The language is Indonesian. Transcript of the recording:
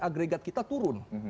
agregat kita turun